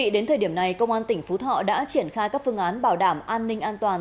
đến thời điểm này công an tỉnh phú thọ đã triển khai các phương án bảo đảm an ninh an toàn